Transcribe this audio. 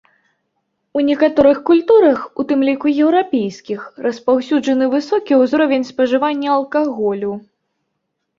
У некаторых культурах, у тым ліку еўрапейскіх, распаўсюджаны высокі ўзровень спажывання алкаголю.